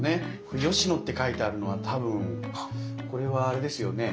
これ「吉野」って書いてあるのは多分これはあれですよね